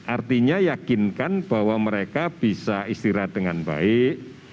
artinya yakinkan bahwa mereka bisa istirahat dengan baik